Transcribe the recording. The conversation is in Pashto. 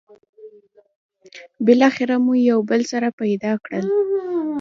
بالاخره مو یو بل سره پيدا کړل.